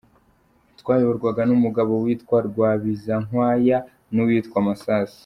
Twayoborwaga n’umugabo witwa rwabizankwaya n’uwitwa Masasu.